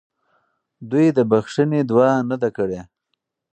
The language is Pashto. دوی د بخښنې دعا نه ده کړې.